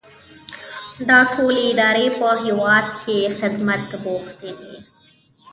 دا ټولې ادارې په هیواد کې په خدمت بوختې دي.